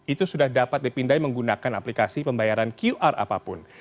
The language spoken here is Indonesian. itu sudah dapat dipindai menggunakan aplikasi pembayaran qr apapun